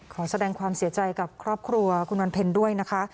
ขอแสดงความเสียใจกับครอบครัวคุณวันเพ็ญด้วยนะคะ